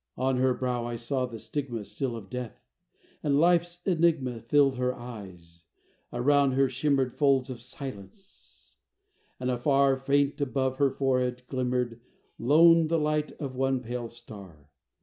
On her brow I saw the stigma Still of death; and life's enigma Filled her eyes: around her shimmered Folds of silence; and afar, Faint above her forehead, glimmered Lone the light of one pale star.